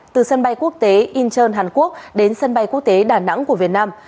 từ sân bay quốc tế incheon hàn quốc đến sân bay quốc tế đà nẵng của việt nam